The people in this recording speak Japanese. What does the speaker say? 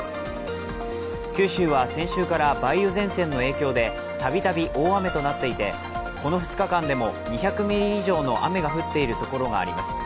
九州は先週から梅雨前線の影響で度々大雨となっていてこの２日間でも２００ミリ以上の雨が降っているところがあります。